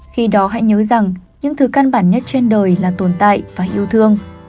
khi đó hãy nhớ rằng những thứ căn bản nhất trên đời là tồn tại và yêu thương